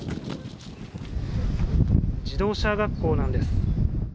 自動車学校なんです。